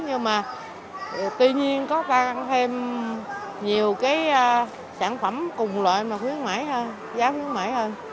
nhưng mà tuy nhiên có tăng thêm nhiều cái sản phẩm cùng loại mà khuyến mãi hơn giá khuyến mãi hơn